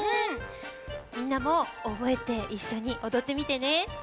みんなもおぼえていっしょにおどってみてね。